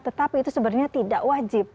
tetapi itu sebenarnya tidak wajib